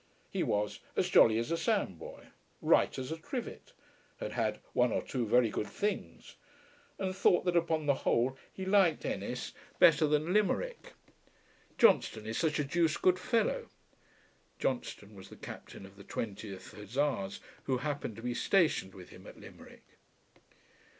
He was "as jolly as a sandboy," "right as a trivet;" had had "one or two very good things," and thought that upon the whole he liked Ennis better than Limerick. "Johnstone is such a deuced good fellow!" Johnstone was the captain of the 20th Hussars who happened to be stationed with him at Limerick.